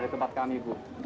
di tempat kami bu